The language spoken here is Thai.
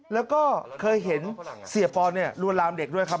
แล้วก็เคยเห็นเสียบปลอรวนรามเด็กด้วยครับ